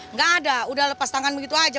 nggak ada udah lepas tangan begitu aja